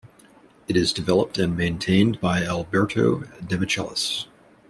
It is developed and maintained by Alberto Demichelis.